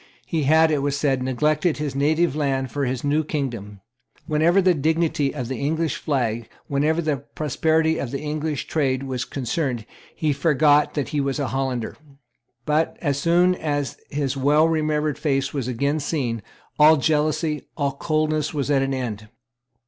He had, it was said, neglected his native land for his new kingdom. Whenever the dignity of the English flag, whenever the prosperity of the English trade was concerned, he forgot that he was a Hollander. But, as soon as his well remembered face was again seen, all jealousy, all coldness, was at an end.